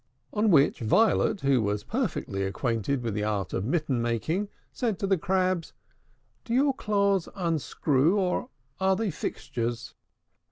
On which Violet, who was perfectly acquainted with the art of mitten making, said to the Crabs, "Do your claws unscrew, or are they fixtures?"